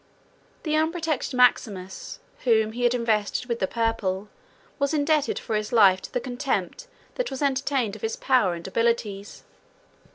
151 The unprotected Maximus, whom he had invested with the purple, was indebted for his life to the contempt that was entertained of his power and abilities.